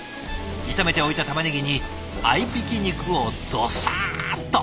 炒めておいたたまねぎに合いびき肉をドサッと。